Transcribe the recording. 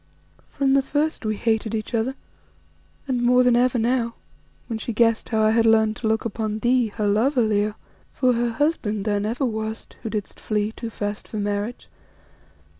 From the first we hated each other, and more than ever now, when she guessed how I had learned to look upon thee, her lover, Leo; for her husband thou never wast, who didst flee too fast for marriage.